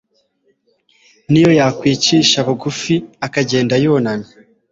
n'iyo yakwicisha bugufi akagenda yunamye